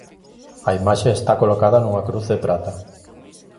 A imaxe está colocada nunha cruz de prata.